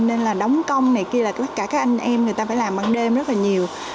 nên là đóng công này kia là tất cả các anh em người ta phải làm ban đêm rất là nhiều